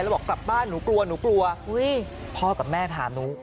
แล้วบอกกลับบ้านหนูกลัวหนูกลัวพ่อกับแม่ถามหนู